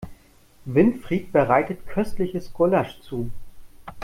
Winfried bereitet köstliches Gulasch zu.